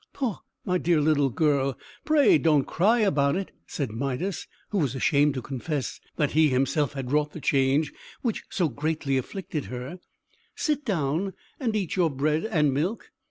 "Poh, my dear little girl pray don't cry about it!" said Midas, who was ashamed to confess that he himself had wrought the change which so greatly afflicted her, "Sit down and eat your bread and milk!